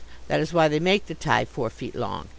That is why they make the tie four feet long.